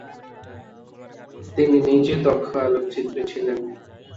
তিনি নিজে দক্ষ আলোকচিত্রী ছিলেন।